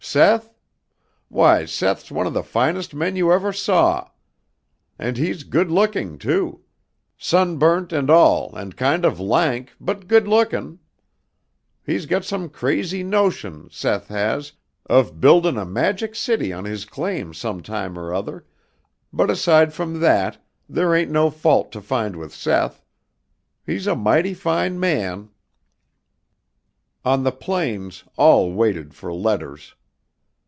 "Seth? Why, Seth's one of the finest men you ever saw. And he's good looking, too. Sunburnt and tall and kind of lank, but good lookin'. He's got some crazy notion, Seth has, of buildin' a Magic City on his claim some time or other, but aside from that there ain't no fault to find with Seth. He's a mighty fine man." On the plains all waited for letters.